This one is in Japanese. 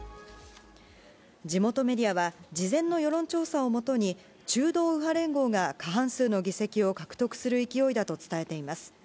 地元メディアは、事前の世論調査を基に、中道右派連合が過半数の議席を獲得する勢いだと伝えています。